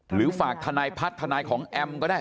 หรือฝากทนายพัฒน์ทนายของแอมก็ได้